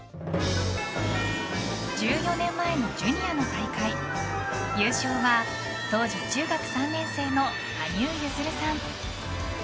１４年前のジュニアの大会優勝は当時中学３年生の羽生結弦さん。